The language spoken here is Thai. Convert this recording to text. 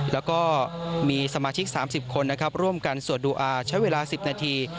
แล้วก็มีสมาชิก๓๐คนนะครับร่วมกันสวดดูอาใช้เวลา๑๐นาที